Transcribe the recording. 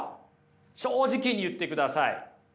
正直に言ってください